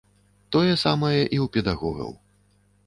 Тое самае і ў педагогаў.